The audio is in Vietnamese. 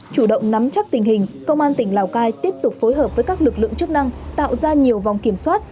chủ động nắm chắc tình hình công an tỉnh lào cai tiếp tục phối hợp với các lực lượng chức năng tạo ra nhiều vòng kiểm soát